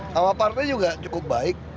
sama partai juga cukup baik